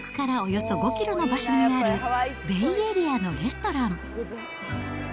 やって来たのは、自宅からおよそ５キロの場所にあるベイエリアのレストラン。